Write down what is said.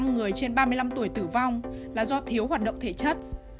hai mươi người trên ba mươi năm tuổi tử vong là do thiếu hoạt động thể chất